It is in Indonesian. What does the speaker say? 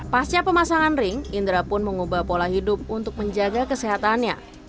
pasca pemasangan ring indra pun mengubah pola hidup untuk menjaga kesehatannya